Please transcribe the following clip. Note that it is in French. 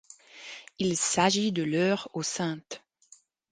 Il s'agit de leur au St.